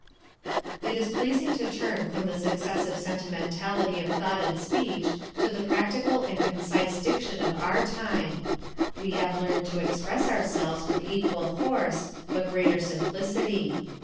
It is pleasing to turn from this excessive sentimentality of thought and speech to the practical and concise diction of our time. We have learned to express ourselves with equal force, but greater simplicity.